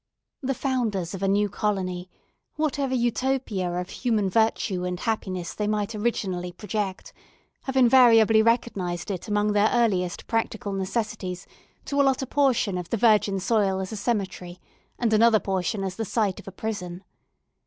The founders of a new colony, whatever Utopia of human virtue and happiness they might originally project, have invariably recognised it among their earliest practical necessities to allot a portion of the virgin soil as a cemetery, and another portion as the site of a prison.